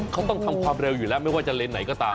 เขาต้องทำความเร็วอยู่แล้วไม่ว่าจะเลนสไหนก็ตาม